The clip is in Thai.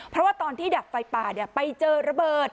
เพราะว่าตอนที่ดับไฟป่าไปเจอระเบิด